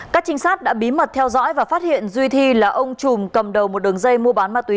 các trinh sát đã bí mật theo dõi và phát hiện duy thi là ông chùm cầm đầu một đường dây mua bán ma túy